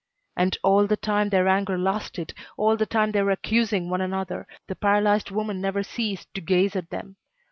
And all the time their anger lasted, all the time they were accusing one another, the paralysed woman never ceased to gaze at them.